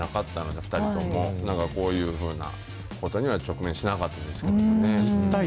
だからこういうふうなことには直面しなかったですけどもね。